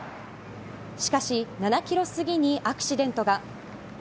しかし７ｋｍ過ぎにアクシデントが。